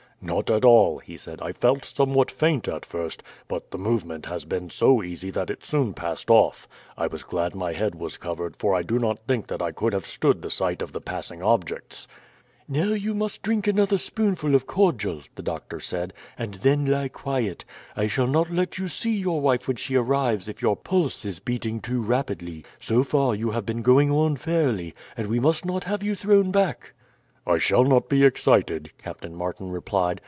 "Not at all," he said. "I felt somewhat faint at first, but the movement has been so easy that it soon passed off. I was glad my head was covered, for I do not think that I could have stood the sight of the passing objects." "Now you must drink another spoonful of cordial," the doctor said, "and then lie quiet. I shall not let you see your wife when she arrives if your pulse is beating too rapidly. So far you have been going on fairly, and we must not have you thrown back." "I shall not be excited," Captain Martin replied.